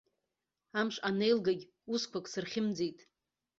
Амш анеилгагь усқәак сырхьымӡеит.